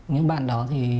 những bạn đó thì